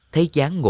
thấy dáng ngộ ngộ